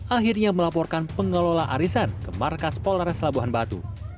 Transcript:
akhirnya melaporkan pengelola arisan ke markas polres labuhan batu